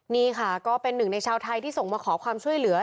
นี่ค่ะก็เป็นหนึ่งในชาวไทยที่ส่งมาขอความช่วยเหลือ